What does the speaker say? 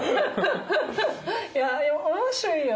いや面白いよ。